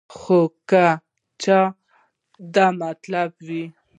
خو کۀ د چا دا مطلب وي